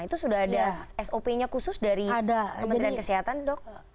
itu sudah ada sop nya khusus dari kementerian kesehatan dok